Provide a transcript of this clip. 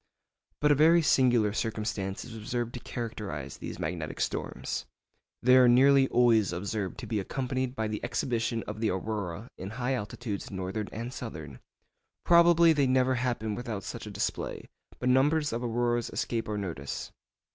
But a very singular circumstance is observed to characterise these magnetic storms. They are nearly always observed to be accompanied by the exhibition of the aurora in high latitudes, northern and southern. Probably they never happen without such a display, but numbers of auroras escape our notice.